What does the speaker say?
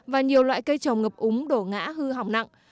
và nhiều loại cây trồng ngập úng đổ ngã hư hỏng nặng